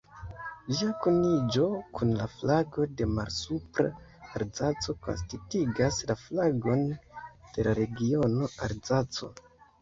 Ĝia kuniĝo kun la flago de Malsupra-Alzaco konsistigas la flagon de la regiono Alzaco.